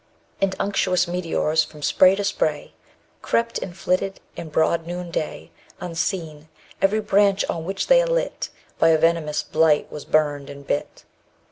And unctuous meteors from spray to spray Crept and flitted in broad noonday _75 Unseen; every branch on which they alit By a venomous blight was burned and bit.